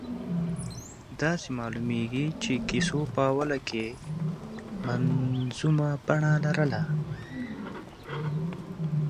داسې معلومېږي چې کیسو په اوله کې منظومه بڼه لرله.